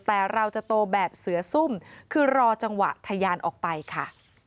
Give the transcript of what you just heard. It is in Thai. แต่เราจะโตแบบเสือซุ่มคือรอจังหวะทะยานออกไปค่ะ